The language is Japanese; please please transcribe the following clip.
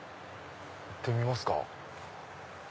行ってみますか。